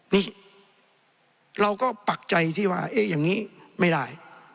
นี่เราก็ปักใจสิว่าเอ๊ะอย่างนี้ไม่ได้